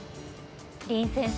林先生